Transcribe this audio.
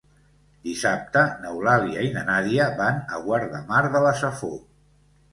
Dissabte n'Eulàlia i na Nàdia van a Guardamar de la Safor.